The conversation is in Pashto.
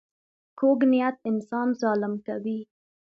کوږ نیت انسان ظالم کوي